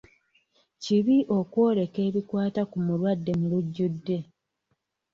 Kibi okwoleka ebikwata ku mulwadde mu lujjudde.